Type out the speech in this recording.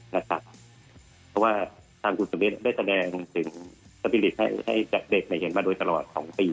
เพราะว่าคุณสับลิทได้แสดงสมบิลิตให้เด็กเห็นมาตลอด๒ปี